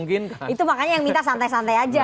itu makanya yang minta santai santai aja